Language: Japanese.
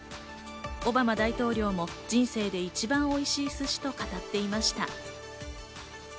オバマ大統領も人生で一番おいしい寿司と語っていました。